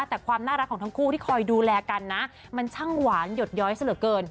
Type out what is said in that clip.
แต่ความน่ารักของทั้งคู่ที่คอยดูแลกันนะมันช่างหวานหยดย้อยซะเหลือเกิน